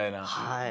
はい。